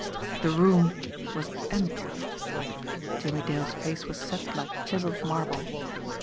The room was empty! Jimmie Dale's face was set like chiselled marble.